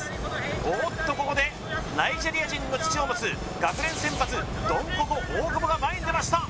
おっとここでナイジェリア人の父を持つ学連選抜ドンココ大久保が前に出ました